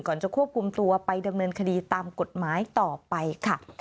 จะควบคุมตัวไปดำเนินคดีตามกฎหมายต่อไปค่ะ